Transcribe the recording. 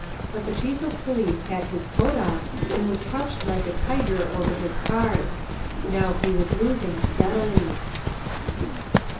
But the Chief of Police had his coat off and was crouched like a tiger over his cards. Now he was losing steadily.